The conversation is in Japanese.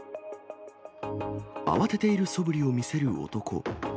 慌てているそぶりを見せる男。